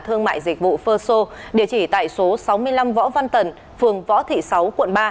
thương mại dịch vụ ferso địa chỉ tại số sáu mươi năm võ văn tần phường võ thị sáu quận ba